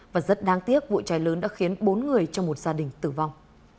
và rất đáng tiếc vụ cháy lớn đã khiến bốn người trong một gia đình tử vong